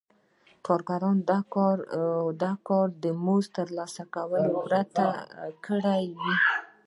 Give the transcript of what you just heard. کارګرانو دا کار له مزد ترلاسه کولو پرته کړی وي